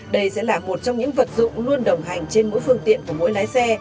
đây sẽ là một trong những vật dụng luôn đồng hành trên mỗi phương tiện của mỗi lái xe